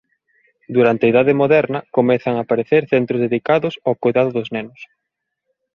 Durante a Idade Moderna comenzan a aparecer centros dedicados ó coidado dos nenos.